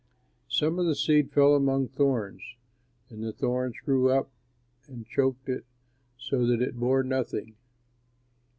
Some of the seed fell among thorns, and the thorns grew up and choked it so that it bore nothing.